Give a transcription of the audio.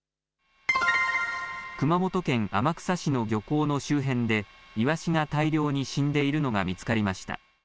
熊本県天草市の漁港の周辺で、イワシが大量に死んでいるのが見つかりました。